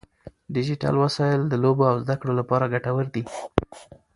ډیجیټل وسایل د لوبو او زده کړو لپاره ګټور دي.